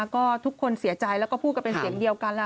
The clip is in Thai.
ก็ทุกคนเสียใจแล้วก็พูดกันเป็นเสียงเดียวกัน